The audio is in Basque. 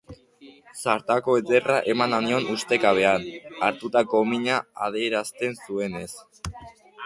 Zartako ederra emana nion ustekabean, hartutako minak adierazten zuenez.